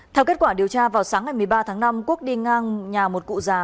theo kết quả điều tra vào sáng ngày một mươi ba tháng năm quốc đi ngang nhà một cụ già